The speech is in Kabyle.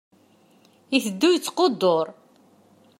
Iteddu yettqudur.